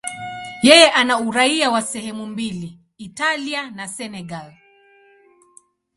Yeye ana uraia wa sehemu mbili, Italia na Senegal.